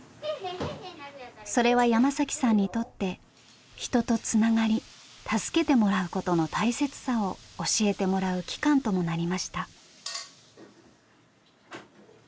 それは山さんにとって人とつながり助けてもらうことの大切さを教えてもらう期間ともなりました。